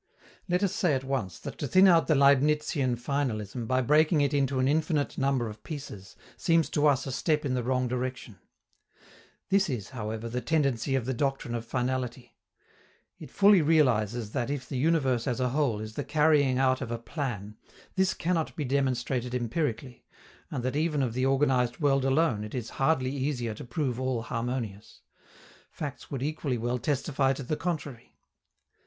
Let us say at once that to thin out the Leibnizian finalism by breaking it into an infinite number of pieces seems to us a step in the wrong direction. This is, however, the tendency of the doctrine of finality. It fully realizes that if the universe as a whole is the carrying out of a plan, this cannot be demonstrated empirically, and that even of the organized world alone it is hardly easier to prove all harmonious: facts would equally well testify to the contrary.